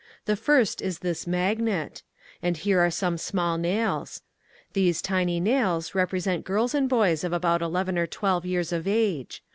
The first is this magnet. And here are some small nails. These tiny nails represent girls and boys of about eleven or twelve years of age.